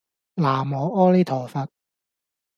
喃嘸阿彌陀佛